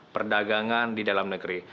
perdagangan di dalam negeri